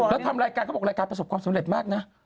แล้วทำรายการเขาบอกรายการประสบความสำเร็จมากนะ